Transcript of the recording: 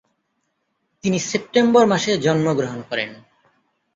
তিনি সেপ্টেম্বর মাসে জন্মগ্রহণ করেন।